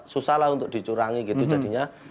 susah lah untuk dicurangi gitu jadinya